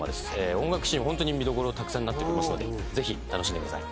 音楽シーンホントに見どころたくさんになってますのでぜひ楽しんでください。